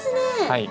はい。